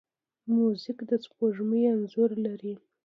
موزیک د سپوږمۍ انځور لري.